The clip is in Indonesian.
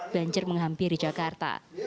banjir menghampiri jakarta